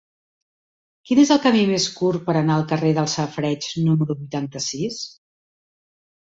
Quin és el camí més curt per anar al carrer dels Safareigs número vuitanta-sis?